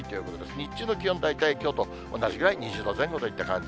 日中の気温、大体きょうと同じぐらい、２０度前後といった感じ。